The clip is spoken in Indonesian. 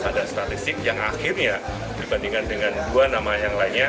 ada statistik yang akhirnya dibandingkan dengan dua nama yang lainnya